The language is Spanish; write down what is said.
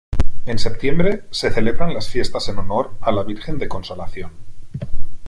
En septiembre se celebran las Fiestas en honor a la Virgen de Consolación.